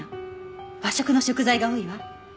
和食の食材が多いわ。